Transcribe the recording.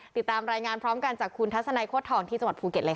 ติดตามรายงานพร้อมกันจากคุณทัศนัยโค้ดทองที่จังหวัดภูเก็ตเลยค่ะ